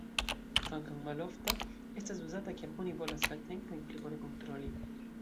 Kvankam malofta, estas uzata kiam oni volas la tempojn pli bone kontroli.